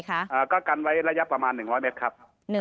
ก็กันไว้ระยะประมาณ๑๐๐เมตรครับ